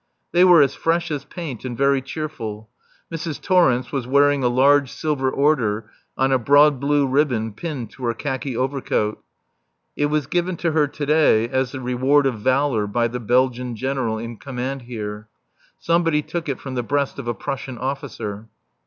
They were as fresh as paint and very cheerful. Mrs. Torrence was wearing a large silver order on a broad blue ribbon pinned to her khaki overcoat. It was given to her to day as the reward of valour by the Belgian General in command here. Somebody took it from the breast of a Prussian officer.